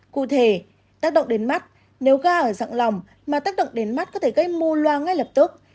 cụ thể tác động đến mắt nếu ga ở dạng lỏng mà tác động đến mắt có thể gây mù loa ngay lập tức